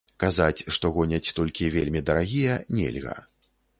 Казаць, што гоняць толькі вельмі дарагія, нельга.